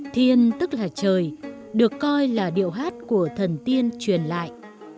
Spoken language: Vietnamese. thiên tức là trời được coi là điệu hát của thần tiên truyền lại